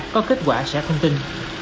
có kết quả sẽ không tin